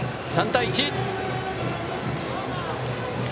３対１。